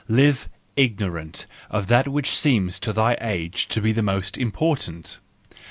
Live ignorant of that which seems to thy age to be most important!